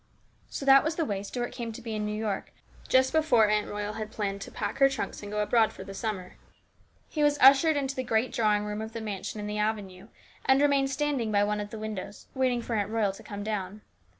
So that was the way Stuart came to be in New York just before Aunt Royal had planned to pack her trunks and go abroad for the summer. He was ushered into the great drawing room of the mansion in the avenue and remained standing by one of the windows waiting for Aunt Royal to come down.